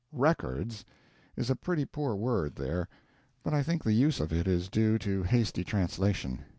"Records" is a pretty poor word there, but I think the use of it is due to hasty translation.